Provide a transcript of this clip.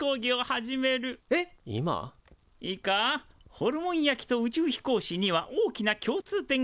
ホルモン焼きと宇宙飛行士には大きな共通点がある。